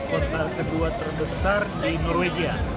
kota kedua terbesar di norwegia